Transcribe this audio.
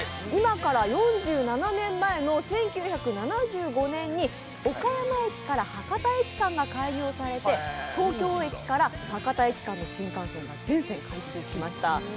今から４７年前の１９７５年に岡山駅から博多駅間が開業されて東京駅から博多駅間の新幹線が全線開通しました。